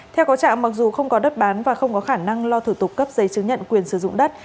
theo có trạng mặc dù không có đất bán và không có khả năng lo thử tục cấp giấy chứng nhận quyền sử dụng đất